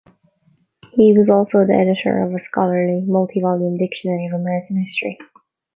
He was also the editor of a scholarly multi-volume Dictionary of American History.